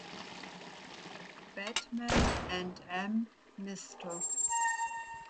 Batman & Mr.